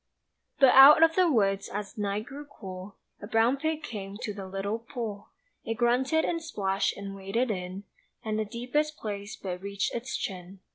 But out of the woods as night grew cool A brown pig came to the little pool; It grunted and splashed and waded in And the deepest place but reached its chin.